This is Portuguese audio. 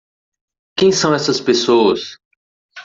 Quem são essas pessoas?